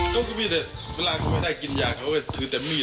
ก็คือมีแต่เวลาเขาไม่ได้กินยาเขาก็ถือแต่มีด